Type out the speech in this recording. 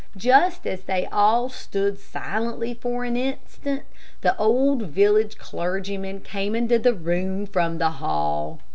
Just as they all stood silently for an instant, the old village clergyman came into the room from the hall.